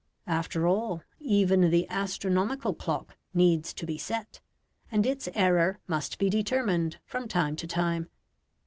After all, even the astronomical clock needs to be set, and its error must be determined from time to time.